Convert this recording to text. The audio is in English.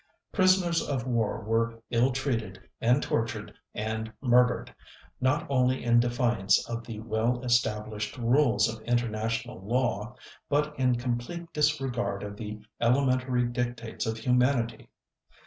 Prisoners of war were ill treated and tortured and murdered, not only in defiance of the well established rules of international law, but in complete disregard of the elementary dictates of humanity.